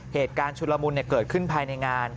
เหตุการณ์ชุดละมุนเกิดขึ้นภายในงาน